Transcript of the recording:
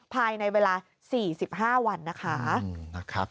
ภายในเวลา๔๕วันนะคะ